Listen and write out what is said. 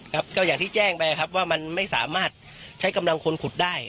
ครับก็อย่างที่แจ้งไปครับว่ามันไม่สามารถใช้กำลังคนขุดได้